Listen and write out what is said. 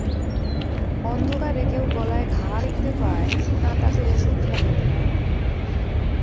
অন্ধকারে কেউ গলায় ঘা দেখতে পায়, না, তাতে ওষুধ লাগাতে পারে?